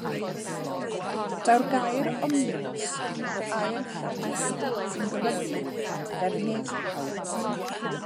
Daw'r gair Omnibws o air Lladin sy'n golygu at ddefnydd pawb.